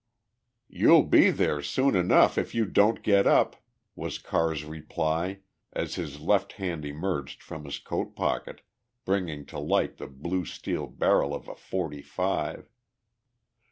"You'll be there soon enough if you don't get up!" was Carr's reply, as his left hand emerged from his coat pocket, bringing to light the blue steel barrel of a forty five.